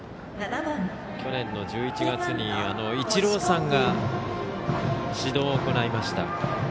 去年の１１月にイチローさんが指導を行いました。